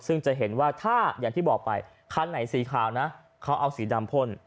ซึ่งจะเห็นว่าถ้าอย่างที่บอกไปคันไหนสีขาวนะเขาเอาสีดำพ่น